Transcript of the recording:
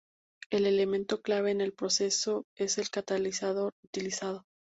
El elemento clave en el proceso es el catalizador utilizado.